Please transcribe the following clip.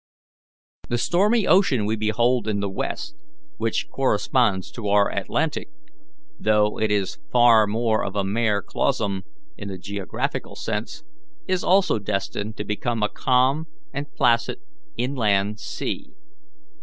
The stormy ocean we behold in the west, which corresponds to our Atlantic, though it is far more of a mare clausum in the geographical sense, is also destined to become a calm and placid inland sea.